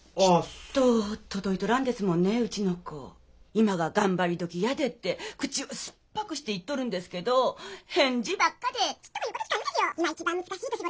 今が頑張り時やでって口を酸っぱくして言っとるんですけど返事ばっかでちっとも言うこと聞かんですよ。